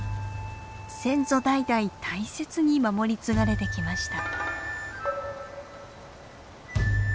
先祖代々大切に守り継がれてきました。